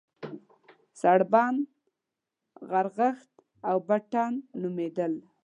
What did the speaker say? سړبن، غرغښت او بټن نومېدل.